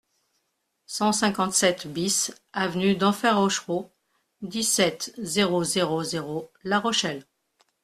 cent cinquante-sept BIS avenue DENFERT ROCHEREAU, dix-sept, zéro zéro zéro, La Rochelle